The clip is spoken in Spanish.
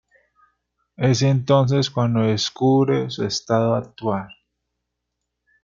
Es entonces cuando descubre su estado actual.